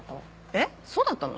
えっそうだったの？